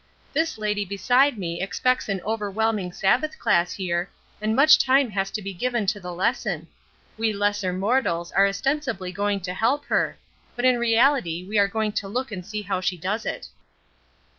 This lady beside me expects an overwhelming Sabbath class here, and much time has to be given to the lesson. We lesser mortals are ostensibly going to help her, but in reality we are going to look and see how she does it."